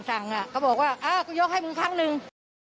สั่งน่ะก็บอกว่าอ้ากูยกให้มึงครั้งนึง